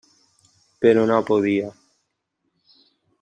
Però no podia.